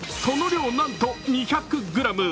その量なんと２００ｇ。